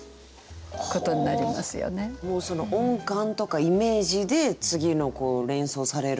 もうその音感とかイメージで次の連想される